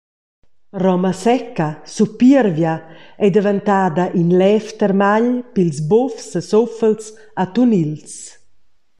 Roma secca, supiervia, ei daventada in lev termagl pils bufs e suffels atunils.